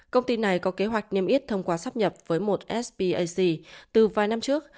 công ty này có kế hoạch niêm yết thông qua sắp nhập với một spac từ vài năm trước